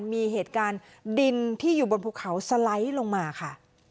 มีเหตุการณ์ดินที่อยู่บนภูเขาสไลด์ลงมาค่ะ